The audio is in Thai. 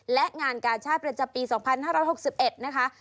และงานการชาติเปลี่ยนจับปี๒๕๖๑นะคะ